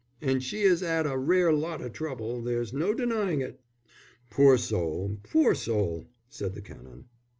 And she 'as 'ad a rare lot of trouble. There's no denying it." "Poor soul, poor soul!" said the Canon.